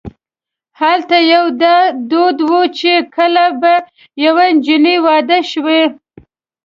هلته یو دا دود و چې کله به یوه جنۍ واده شوه.